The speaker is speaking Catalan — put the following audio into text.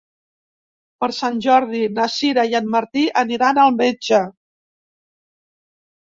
Per Sant Jordi na Sira i en Martí aniran al metge.